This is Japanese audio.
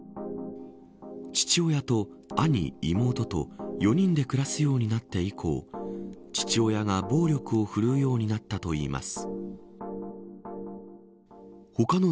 父親と兄、妹と４人で暮らすようになって以降父親が暴力を振るうようになったといいます。